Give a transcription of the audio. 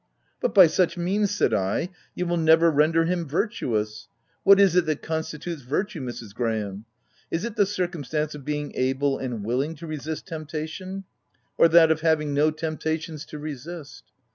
"But by such means," said I, "you will never render him virtuous What is it that vol. i. D 50 THS TENANT constitutes virtue, Mrs. Graham ? Is it the circumstance of being able and willing to resist temptation ; or that of having no temptations to resist